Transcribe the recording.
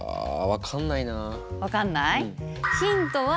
分かんない？